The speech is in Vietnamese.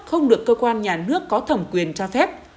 không được cơ quan nhà nước có thẩm quyền cho phép